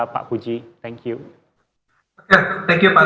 pak puji terima kasih